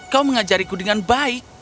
kau mengajariku dengan baik